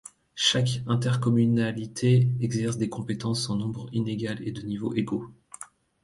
Chaque intercommunalité exerce des compétences en nombre inégal et de niveaux inégaux.